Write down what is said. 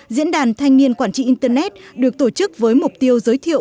diễn đàn thanh niên quản trị internet được tổ chức với mục tiêu giới thiệu